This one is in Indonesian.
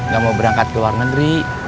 gak mau berangkat ke luar negeri